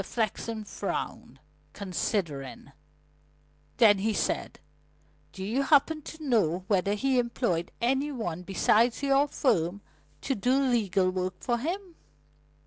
Mr. Flexen frowned, considering; then he said: "Do you happen to know whether he employed any one besides your firm to do legal work for him?"